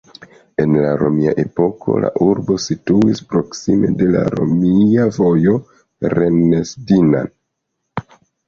En la romia epoko, la urbo situis proksime de la romia vojo Rennes-Dinan.